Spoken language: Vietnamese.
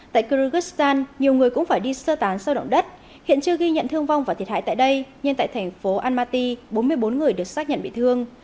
tại kyrgyzstan nhiều người cũng phải đi sơ tán sau động đất hiện chưa ghi nhận thương vong và thiệt hại tại đây nhưng tại thành phố almaty bốn mươi bốn người được xác nhận bị thương